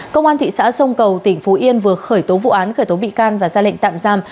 công an thị xã sông cầu tỉnh phú yên vừa khởi tố vụ án khởi tố bị can và ra lệnh tạm giam